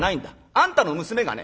あんたの娘がね